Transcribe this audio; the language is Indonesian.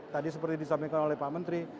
tadi seperti disampaikan oleh pak menteri